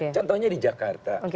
contohnya di jakarta